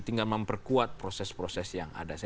tinggal memperkuat proses proses yang ada saja